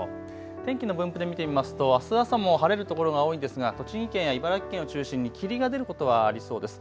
天気の分布で見てみますとあす朝も晴れる所が多いですが栃木県や茨城県を中心に霧が出ることはありそうです。